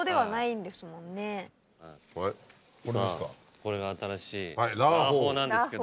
これが新しいらーほーなんですけど。